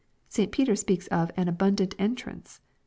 St Peter speaks of an " abundant entrance."